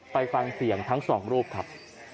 ไปฟังเสียงทั้งสองรูปครับ